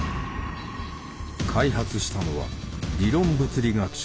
開発したのは理論物理学者